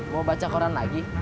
mau baca koran lagi